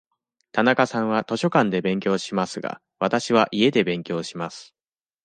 田中さんは図書館で勉強しますが、わたしは家で勉強します。